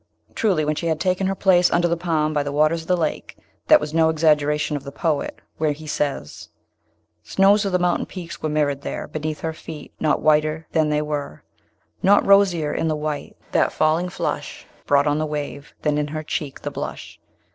Truly, when she had taken her place under the palm by the waters of the lake, that was no exaggeration of the poet, where he says: Snows of the mountain peaks were mirror'd there Beneath her feet, not whiter than they were; Not rosier in the white, that falling flush Broad on the wave, than in her cheek the blush.